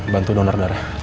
bantu donor darah